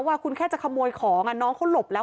ว่าคุณแค่จะขโมยของน้องเขาหลบแล้ว